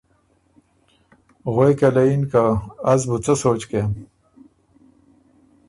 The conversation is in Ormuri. غوېکه له یِن که ”از بُو څۀ سوچ کېم؟“